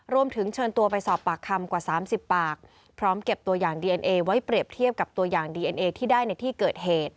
รวมถึงเชิญตัวไปสอบปากคำกว่า๓๐ปากพร้อมเก็บตัวอย่างดีเอนเอไว้เปรียบเทียบกับตัวอย่างดีเอ็นเอที่ได้ในที่เกิดเหตุ